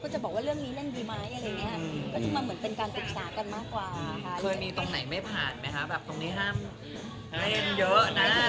แบบตรงนี้ไม่เห็น